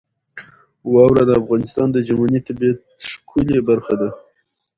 واوره د افغانستان د ژمنۍ طبیعت ښکلې برخه ده.